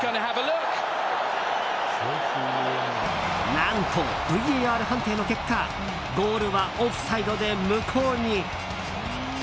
何とＶＡＲ判定の結果ゴールはオフサイドで無効に。